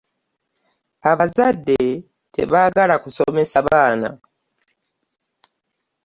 Abazadde tebaagala kusomesa baana.